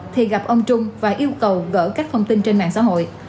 thì gặp ông trung và yêu cầu gỡ các thông tin trên mạng xã hội